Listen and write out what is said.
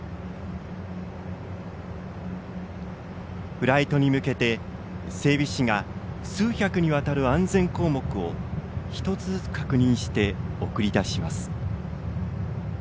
フライトに向けて整備士が数百にわたる安全項目を一つずつ確認して送り出します。